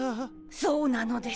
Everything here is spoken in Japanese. そうなのです。